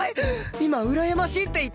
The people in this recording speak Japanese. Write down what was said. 今うらやましいって言った！？